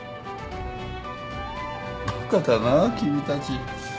バカだなぁ君たち。